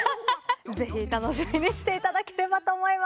ぜひ楽しみにしていただければと思います。